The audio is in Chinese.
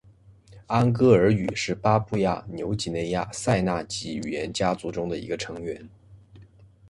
安哥尔语是巴布亚纽几内亚赛纳几语言家族中的一个成员。